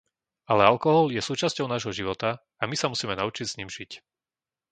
Ale alkohol je súčasťou nášho života a my sa musíme naučiť s ním žiť.